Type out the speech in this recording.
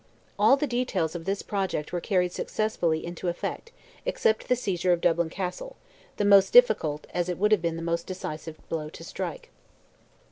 All the details of this project were carried successfully into effect, except the seizure of Dublin Castle—the most difficult as it would have been the most decisive blow to strike.